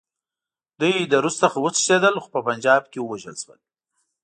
دوی له روس څخه وتښتېدل، خو په پنجاب کې ووژل شول.